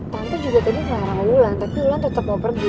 tante juga tadi marah sama wulan tapi wulan tetep mau pergi